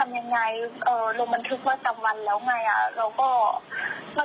เพราะว่าเจ้านายเราก็เคยเป็นหัวไปคุยกับเขาข้างนอกแล้ว